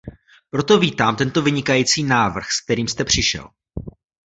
Proto vítám tento vynikající návrh, s kterým jste přišel.